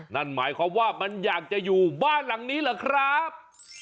นั่นหมายความว่ามันอยากจะอยู่บ้านหลังนี้เหรอครับ